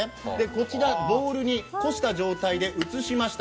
こちら、ボウルにこした状態で移しました、